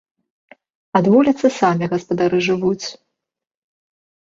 Ад вуліцы самі гаспадары жывуць.